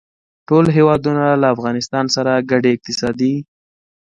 ټول هېوادونه له افغانستان سره ګډې اقتصادي